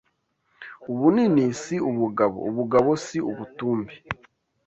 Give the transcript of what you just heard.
Ubunini si ubugabo (Ubugabo si ubutumbi)